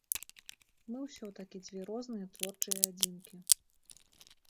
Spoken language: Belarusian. Мы ўсё-такі дзве розныя творчыя адзінкі.